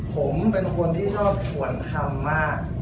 ผมเป็นคนที่ชอบถ่วนคำมาก